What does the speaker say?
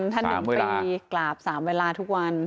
ถ้าหนึ่งปีกราบสามเวลาทุกวัน